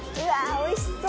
おいしそう。